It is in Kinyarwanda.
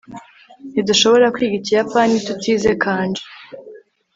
ntidushobora kwiga ikiyapani tutize kanji